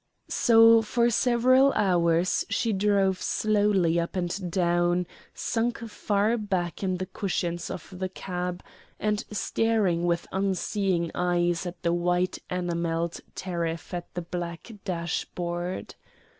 So for several hours she drove slowly up and down, sunk far back in the cushions of the cab, and staring with unseeing eyes at the white enamelled tariff and the black dash board.